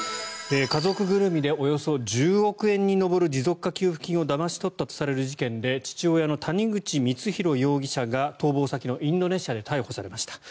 家族ぐるみでおよそ１０億円に上る持続化給付金をだまし取ったとされる事件で父親の谷口光弘容疑者が逃亡先のインドネシアで逮捕されました。